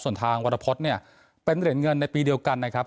ส่วนทางวรพฤษเนี่ยเป็นเหรียญเงินในปีเดียวกันนะครับ